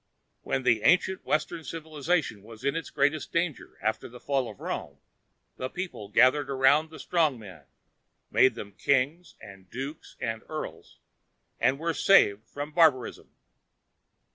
When the ancient western civilization was in its greatest danger after the fall of Rome, the people gathered around the strong men, made them kings and dukes and earls, and were saved from barbarism.